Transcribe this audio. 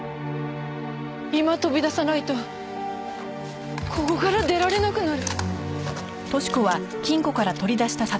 今飛び出さないとここから出られなくなる。